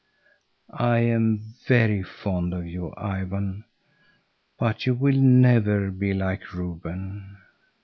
"I am very fond of you, Ivan, but you will never be like Reuben."